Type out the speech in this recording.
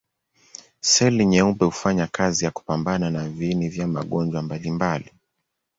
Seli nyeupe hufanya kazi ya kupambana na viini vya magonjwa mbalimbali.